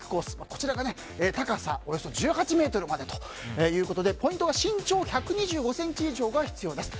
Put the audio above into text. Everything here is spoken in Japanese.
こちらが高さおよそ１８ｍまでということでポイントは身長１２５ｃｍ以上が必要です。